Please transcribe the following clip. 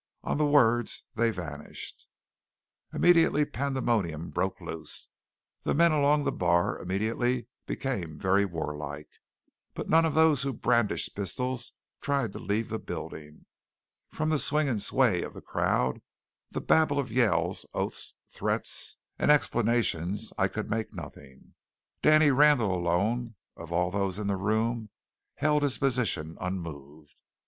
On the words they vanished. Immediately pandemonium broke loose. The men along the bar immediately became very warlike; but none of those who brandished pistols tried to leave the building. From the swing and sway of the crowd, and the babel of yells, oaths, threats, and explanations I could make nothing. Danny Randall alone of all those in the room held his position unmoved.